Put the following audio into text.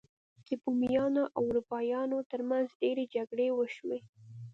د بومیانو او اروپایانو ترمنځ ډیرې جګړې وشوې.